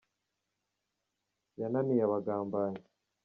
yananiye abagambanyi.